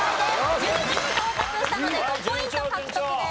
１０点に到達したので５ポイント獲得です。